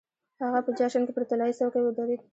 هغه په جشن کې پر طلايي څوکۍ ودرېد.